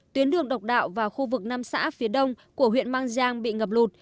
tuyến đường độc đạo vào khu vực nam xã phía đông của huyện mang giang bị ngập lụt